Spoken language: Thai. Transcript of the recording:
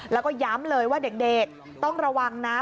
แล้วก็ย้ำเลยว่าเด็กต้องระวังนะ